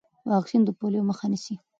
واکسین د پولیو مخه نیسي۔